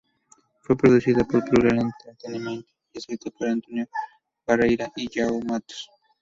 Fue producida por Plural Entertainment y escrita por António Barreira y João Matos.